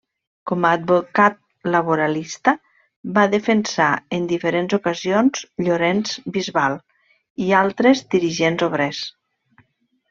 Com a advocat laboralista va defensar en diferents ocasions Llorenç Bisbal i altres dirigents obrers.